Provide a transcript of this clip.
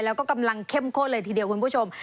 แล้วก็กำลังเข้มข้นเลยทีเดียวคุณผู้ชม